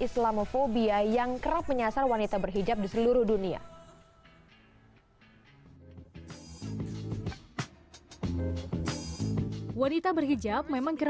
islamofobia yang kerap menyasar wanita berhijab di seluruh dunia wanita berhijab memang kerap